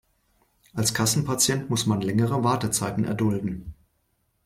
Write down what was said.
Als Kassenpatient muss man längere Wartezeiten erdulden.